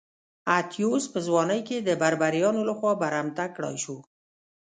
اتیوس په ځوانۍ کې د بربریانو لخوا برمته کړای شو.